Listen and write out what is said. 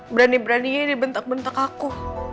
berani beraninya dibentak bentak aku